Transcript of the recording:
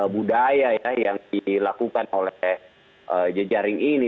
budaya ya yang dilakukan oleh jejaring ini